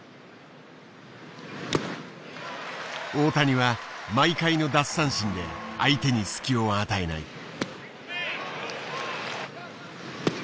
大谷は毎回の奪三振で相手に隙を与えない。